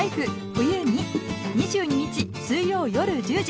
冬．２」２２日水曜夜１０時。